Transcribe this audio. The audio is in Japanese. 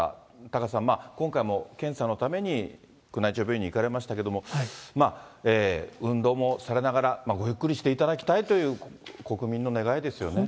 タカさん、今回も検査のために宮内庁病院に行かれましたけれども、運動もされながら、ごゆっくりしていただきたいという国民の願いですよね。